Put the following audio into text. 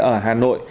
ở hà nội